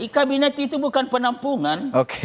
kabinet itu bukan penampungan